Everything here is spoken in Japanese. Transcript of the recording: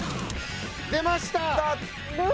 出ました！